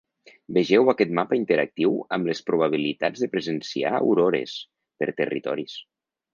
Vegeu aquest mapa interactiu, amb les probabilitats de presenciar aurores, per territoris.